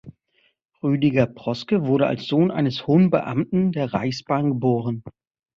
Rüdiger Proske wurde als Sohn eines hohen Beamten der Reichsbahn geboren.